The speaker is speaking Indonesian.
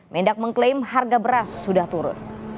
mendak mengklaim harga beras sudah turun